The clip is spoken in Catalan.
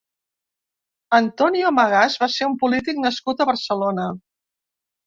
Antonio Magaz va ser un polític nascut a Barcelona.